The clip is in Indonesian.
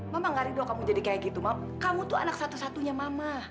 sampai jumpa di video selanjutnya